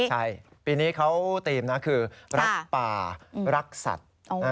ใช่ปีนี้เขาธีมนะคือรักป่ารักสัตว์